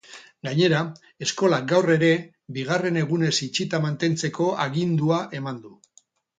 Gainera, eskolak gaur ere bigarren egunez itxita mantentzeko agindua eman du.